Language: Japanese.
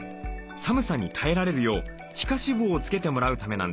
寒さに耐えられるよう皮下脂肪をつけてもらうためなんです。